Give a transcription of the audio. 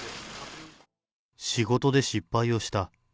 仕事で失敗をした。